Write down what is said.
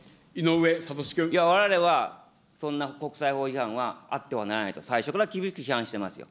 いや、われわれはそんな国際法違反はあってはならないと、最初から厳しく非難しておりますよ。